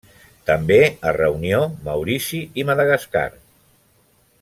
També a Reunió, Maurici i Madagascar.